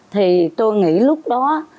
thì tôi nghĩ lúc đó